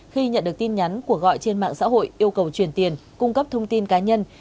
khi nhận được tin nhắn của gọi trên mạng xã hội yêu cầu truyền tiền cung cấp thông tin cá nhân